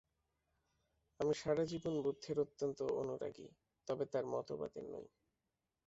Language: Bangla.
আমি সারা জীবন বুদ্ধের অত্যন্ত অনুরাগী, তবে তাঁর মতবাদের নই।